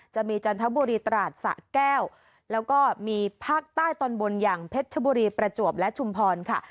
จันทบุรีตราดสะแก้วแล้วก็มีภาคใต้ตอนบนอย่างเพชรชบุรีประจวบและชุมพรค่ะ